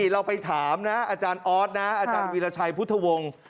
เราไปถามนะอาจารย์ออสนะอาจารย์วิราชัยพุทธวงศ์